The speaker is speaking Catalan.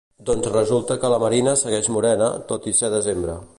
Doncs resulta que la Marina segueix morena, tot i ser desembre.